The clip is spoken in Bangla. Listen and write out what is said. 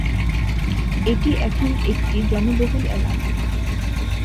এটি এখন একটি জনবহুল এলাকা।